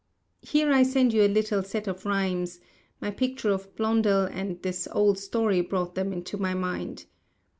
Here I send you a little set of rhymes; my picture of Blondel and this old story brought them into my mind.